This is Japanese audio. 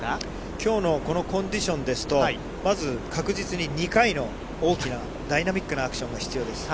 きょうのこのコンディションですと、まず確実に２回の大きなダイナミックなアクションが必要です。